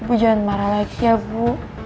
ibu jangan marah lagi ya bu